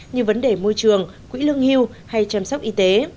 như vấn đề môi trường quỹ lương hưu hay chăm sóc y tế